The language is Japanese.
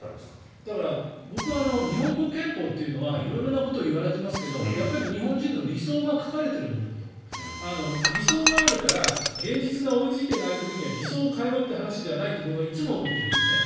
だから、僕は日本国憲法というのは色々なことを言われてますけどやっぱり日本人の理想が書かれているものだと。理想があるから現実が追いついていない時には理想を変えろって話ではないと僕はいつも思っているんです。